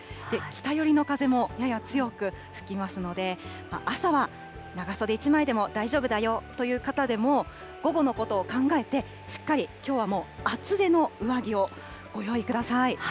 北寄りの風もやや強く吹きますので、朝は長袖１枚でも大丈夫だよという方でも、午後のことを考えて、しっかりきょうはもう、厚手の上着をご用意ください。